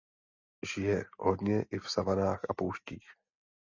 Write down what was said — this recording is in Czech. Žije hodně i v savanách a pouštích.